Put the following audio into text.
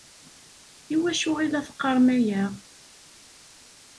I wacu i la teqqarem aya?